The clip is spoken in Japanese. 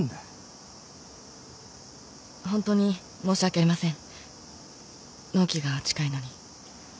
ホントに申し訳ありません納期が近いのに。